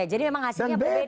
jadi memang hasilnya berbeda